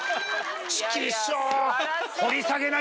チキショウ！